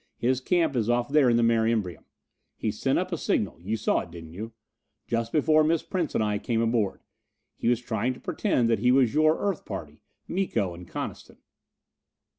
His camp is off there on the Mare Imbrium. He sent up a signal you saw it, didn't you? just before Miss Prince and I came aboard. He was trying to pretend that he was your Earth party, Miko and Coniston."